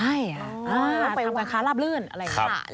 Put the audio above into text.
ใช่ต้องไปทำการค้าราบลื่นอะไรอย่างนี้